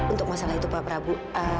untuk masalah itu pak prabu